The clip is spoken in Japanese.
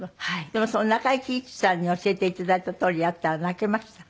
でも中井貴一さんに教えて頂いたとおりやったら泣けました？